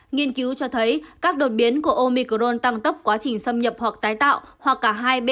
nghiên cứu cho thấy các đột biến của omicron tăng tốc quá trình xâm nhập hoặc tái tác